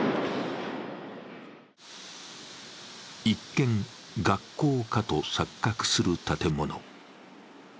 一見、学校かと錯覚する建物。